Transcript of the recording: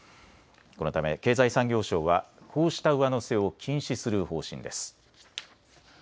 このため経済産業省はこうした上乗せを禁止する方針です。